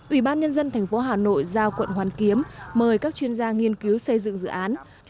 ủy ban nhân dân tp hà nội giao quận hoàn kiếm mời các chuyên gia nghiên cứu xây dựng dự án